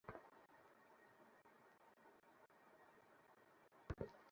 Briefing এ বিরক্ত করো না, গুঞ্জন।